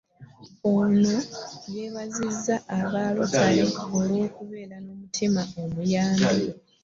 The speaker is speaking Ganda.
Ono yeebazizza aba Rotary olw'okubeera n'omutima omuyambi.